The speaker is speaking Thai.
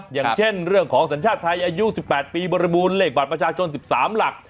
อย่างเช่นเรื่องของสัญชาติไทยอายุ๑๘ปีบริบูรณ์เลขบัตรประชาชน๑๓หลัก